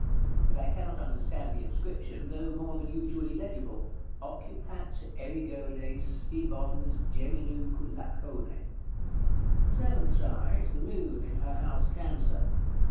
But I cannot understand the inscription, though more than usually legible. "OCCUPAT ERIGONE STIBONS GEMINUQ' LACONE." § CXIV. Seventh side. The Moon, in her house Cancer.